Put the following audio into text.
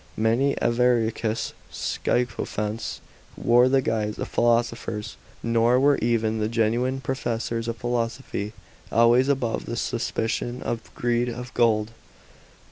Many avaricious sycophants wore the guise of philosophers; nor were even the genuine professors of philosophy always above the suspicion of gieed of gold.